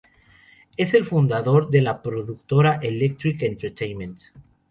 Es el fundador de la productora Electric Entertainment.